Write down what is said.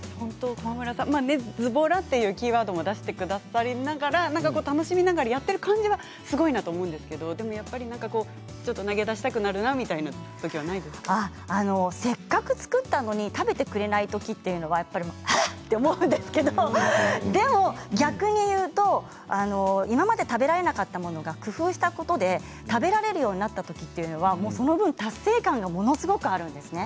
ずぼらというキーワードも出してくださりながら楽しみながらやっている感じはすごいなと思うんですけれどでもやっぱりちょっと投げ出したくなるなせっかく作ったのに食べてくれないときははあっと思うんですけれども逆に言うと今まで食べられなかったものが工夫して食べられるようになったときというのは達成感がものすごくあるんですね。